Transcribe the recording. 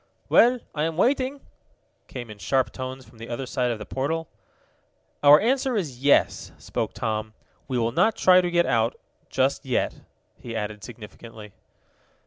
"Well, I am waiting!" came in sharp tones from the other side of the portal. "Our answer is yes," spoke Tom. "We will not try to get out just yet," he added significantly.